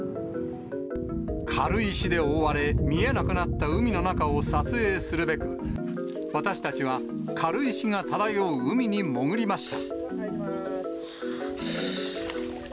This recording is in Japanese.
軽石で覆われ、見えなくなった海の中を撮影するべく、私たちは、軽石が漂う海に潜りました。